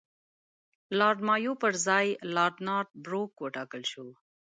لارډ مایو پر ځای لارډ نارت بروک وټاکل شو.